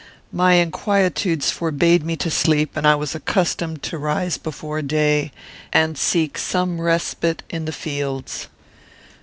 "My inquietudes forbade me to sleep, and I was accustomed to rise before day and seek some respite in the fields.